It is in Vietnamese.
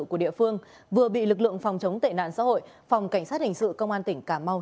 của địa phương vừa bị lực lượng phòng chống tệ nạn xã hội phòng cảnh sát hình sự công an tỉnh cà mau